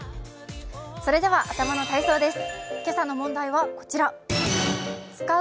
それでは頭の体操です。